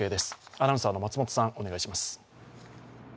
アナウンサーの松本さん、お願いします。